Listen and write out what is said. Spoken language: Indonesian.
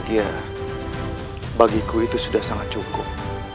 ya bagiku itu sudah sangat cukup